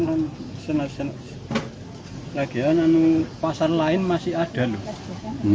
lagi lagi pasar lain masih ada loh